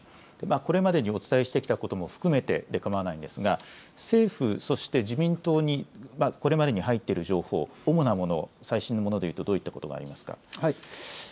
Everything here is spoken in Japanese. これまでにお伝えしてきたことも含めてでかまわないんですが、政府そして自民党にこれまでに入っている情報、主なもの、最新のものでいうとどういったことがありますか。